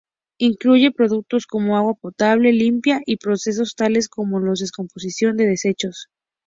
Incluye productos como agua potable limpia y procesos tales como la descomposición de desechos.